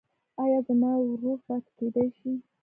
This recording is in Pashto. ایا زما ورور پاتې کیدی شي؟